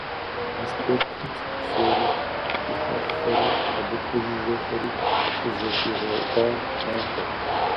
А спортым цӏыху псори - дихьэххэри абы пэжыжьэхэри - щызэщӏигъэуӏуа махуэт.